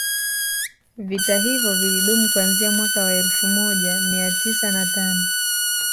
Vita hivyo vilidumu kuanzia mwaka wa elfu moja mia tisa na tano